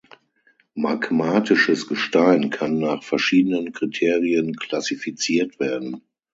Magmatisches Gestein kann nach verschiedenen Kriterien klassifiziert werden.